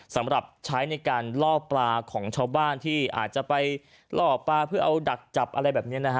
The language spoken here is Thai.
สำหรับใช้ในการล่อปลาของชาวบ้านที่อาจจะไปล่อปลาเพื่อเอาดักจับอะไรแบบนี้นะฮะ